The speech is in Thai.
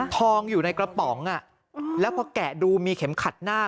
ทองอยู่ในกระป๋องอ่ะแล้วพอแกะดูมีเข็มขัดหน้า